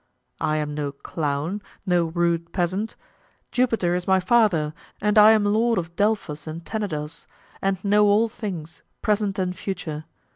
I am no clown, no rude peasant. Jupiter is my father, and I am lord of Delphos and Tenedos, and know all things, present and future.